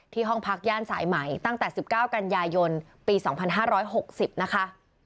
ห้องพักย่านสายใหม่ตั้งแต่๑๙กันยายนปี๒๕๖๐นะคะ